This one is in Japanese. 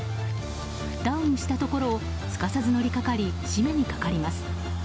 ダウンしたところをすかさず乗りかかり絞めにかかります。